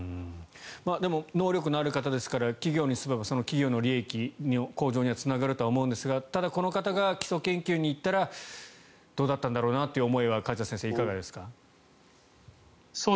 でも能力のある方ですから企業に進めばその企業の利益の向上にはつながると思うんですがただ、この方が基礎研究に行ったらどうなんだろうなという思いは梶田先生、いかがですか？